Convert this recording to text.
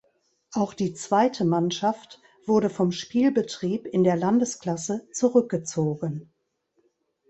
Auch die zweite Mannschaft wurde vom Spielbetrieb in der Landesklasse zurückgezogen.